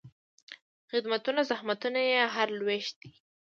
خدمتونه، زحمتونه یې هر لوېشت دي